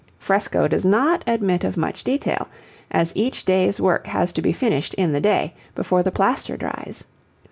Fresco does not admit of much detail, as each day's work has to be finished in the day, before the plaster dries.